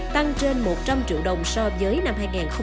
tăng trên một trăm linh triệu đồng so với năm hai nghìn chín